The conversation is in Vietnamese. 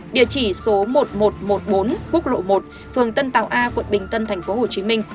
địa chỉ số một nghìn một trăm một mươi bốn quốc lộ một phường tân tàu a quận bình tân tp hcm